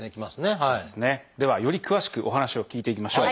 ではより詳しくお話を聞いていきましょう。